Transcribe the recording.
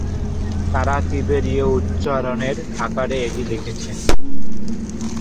তারা তিবেরিয় উচ্চারণের আকারে এটি লিখেছেন।